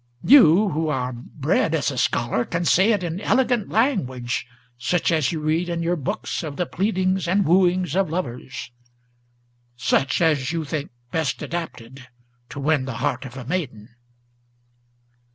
You, who are bred as a scholar, can say it in elegant language, Such as you read in your books of the pleadings and wooings of lovers, Such as you think best adapted to win the heart of a maiden."